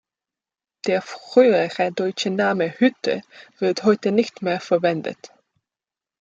Der frühere deutsche Name "Hütte" wird heute nicht mehr verwendet.